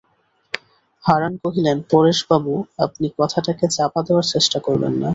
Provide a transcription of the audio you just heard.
হারান কহিলেন, পরেশবাবু, আপনি কথাটাকে চাপা দেবার চেষ্টা করবেন না।